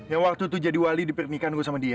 yang waktu itu jadi wali dipermikan gue sama dia